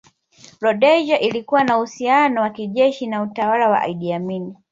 Rhodesia ilikuwa na uhusiano wa kijeshi na utawala wa Idi Amin